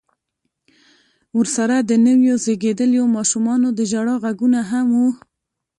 ورسره د نويو زيږېدليو ماشومانو د ژړا غږونه هم و.